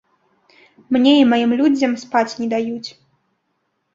Мне і маім людзям спаць не даюць.